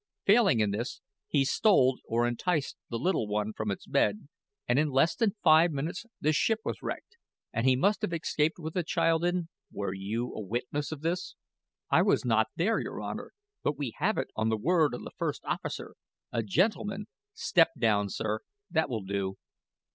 Failing in this, he stole, or enticed the little one from its bed, and in less than five minutes the ship was wrecked, and he must have escaped with the child in " "Were you a witness of this?" "I was not there, your Honor; but we have it on the word of the first officer, a gentleman " "Step down, sir. That will do.